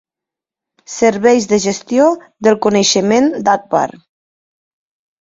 Serveis de Gestió del Coneixement d'Agbar.